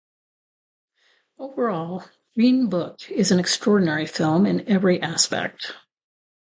Overall, "Green Book" is an extraordinary film in every aspect.